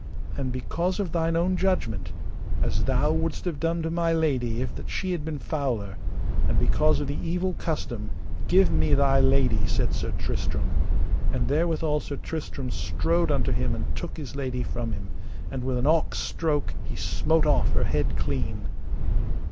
And because of thine own judgment, as thou wouldst have done to my lady if that she had been fouler, and because of the evil custom, give me thy lady, said Sir Tristram. And therewithal Sir Tristram strode unto him and took his lady from him, and with an awk stroke he smote off her head clean.